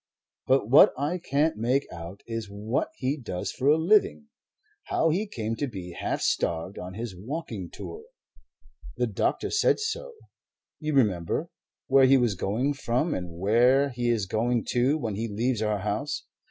But what I can't make out is: what he does for a living, how he came to be half starved on his walking tour the doctor said so, you remember where he was going from and where he is going to when he leaves our house.